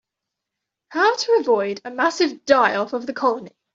How to avoid a massive die-off of the colony.